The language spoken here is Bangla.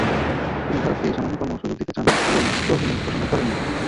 তিনি ভারতকে সামান্যতম সুযোগ দিতে চাননি বলেই দ্রুত ইনিংস ঘোষণা করেননি।